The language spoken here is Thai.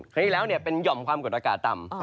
ที่แล้วเป็นหย่อมความกดอากาศต่ำ